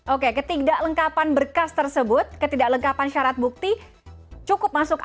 oke ketidak lengkapan berkas tersebut ketidak lengkapan syarat bukti cukup masuk akun